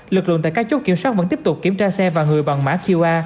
lực lượng tại các chốt kiểm soát vẫn tiếp tục kiểm tra xe và người bằng mã qr